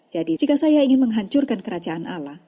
jadi jika saya ingin menghancurkan kerajaan allah